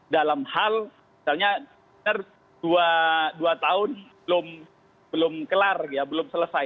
dalam hal misalnya dua tahun belum selesai